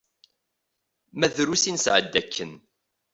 Ma drus i nesɛedda akken.